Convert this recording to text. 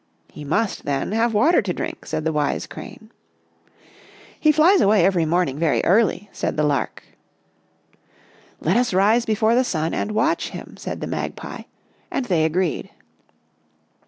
"' He must, then, have water to drink,' said the wise Crane. "' He flies away every morning, very early,' said the Lark. 28 Our Little Australian Cousin "' Let us rise before the sun and watch him,' said the Magpie, and they agreed.